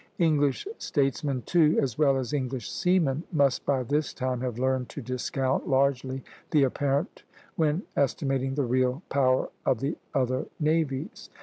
English statesmen, too, as well as English seamen, must by this time have learned to discount largely the apparent, when estimating the real, power of the other navies.